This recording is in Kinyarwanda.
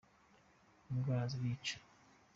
indwara zirica.